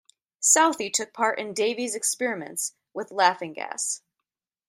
Southey took part in Davy's experiments with laughing gas.